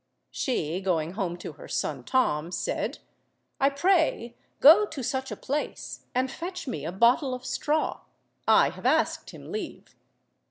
She going home to her son Tom, said— "I pray, go to such a place and fetch me a bottle of straw; I have asked him leave."